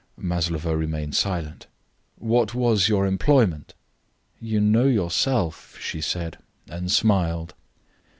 Maslova remained silent. "What was your employment?" "You know yourself," she said, and smiled.